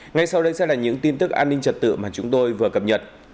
ngay sau đây sẽ là những tin tức an ninh trật tự mà chúng tôi vừa cập nhật